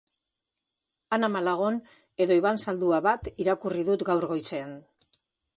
Ana Malagon edo Iban Zaldua bat irakurri dut gaur goizean.